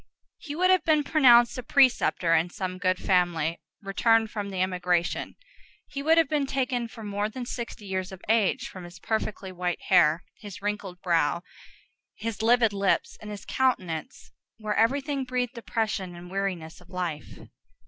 He would have been pronounced a preceptor in some good family, returned from the emigration. He would have been taken for more than sixty years of age, from his perfectly white hair, his wrinkled brow, his livid lips, and his countenance, where everything breathed depression and weariness of life.